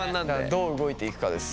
どう動いていくかですよ。